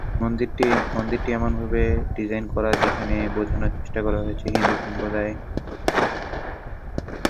মন্দিরটি এমন ভাবে ডিজাইন করা যেখানে বোঝানোর চেষ্টা করা হয়েছে হিন্দু সম্প্রদায় ইয়র্কশায়ারের সমকালীন সমাজের অবিচ্ছেদ্য অংশ।